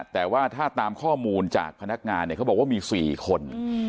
แต่ว่าถ้าตามข้อมูลจากพนักงานเนี่ยเขาบอกว่ามี๔คน